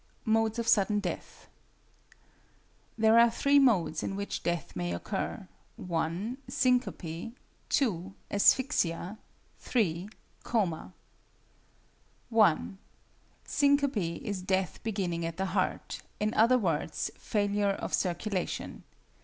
MODES OF SUDDEN DEATH There are three modes in which death may occur: (1) Syncope; (2) asphyxia; (3) coma. 1. =Syncope= is death beginning at the heart in other words, failure of circulation.